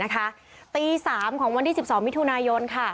ตี๓ของวันที่๑๒มิถุนายน